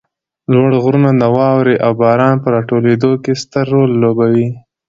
لوړ غرونه د واروې او باران په راټولېدو کې ستر رول لوبوي